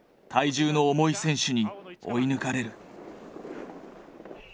体重の重い選手に追い抜かれる。